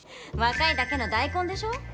若いだけの大根でしょ。